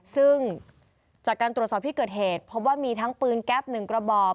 ซึ่งจากการตรวจสอบพิธีเกิดเหตุเพราะว่ามีทั้งปืนแก๊ปหนึ่งกระบอบ